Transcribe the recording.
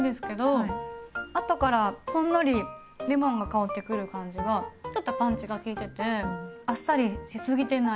後からほんのりレモンが香ってくる感じがちょっとパンチが効いててあっさりしすぎてない感じがしますね。